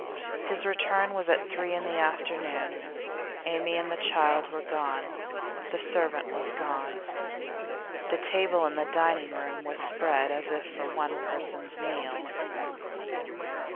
His return was at three in the afternoon. Amy and the child were gone; the servant was gone. The table in the dining room was spread as if for one person's meal.